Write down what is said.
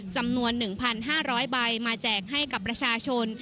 จำนวน๑๕๐๐ใบมาแจกให้กับประชาชน